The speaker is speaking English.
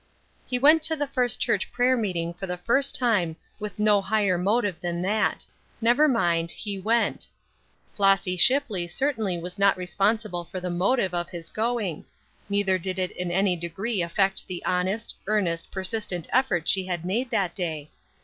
He went to the First Church prayer meeting for the first time with no higher motive than that never mind, he went. Flossy Shipley certainly was not responsible for the motive of his going; neither did it in any degree affect the honest, earnest, persistent effort she had made that day.